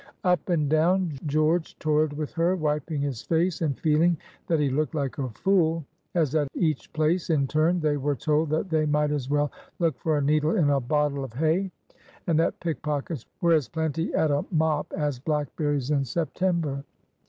Up and down George toiled with her, wiping his face and feeling that he looked like a fool, as at each place in turn they were told that they might as well "look for a needle in a bottle of hay," and that pickpockets were as plenty at a mop as blackberries in September.